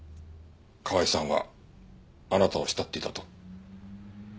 河合さんはあなたを慕っていたと。